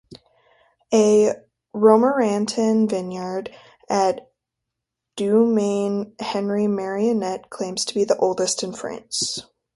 A Romorantin vineyard at Domaine Henry Marionnet claims to be the oldest in France.